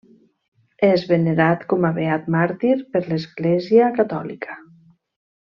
És venerat com a beat màrtir per l'Església Catòlica.